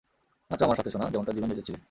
নাচো আমার সাথে, সোনা, যেমনটা জিমে নেচেছিলে।